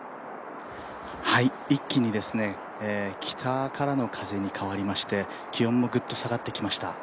一気に北からの風に変わりまして気温もぐっと下がってきました。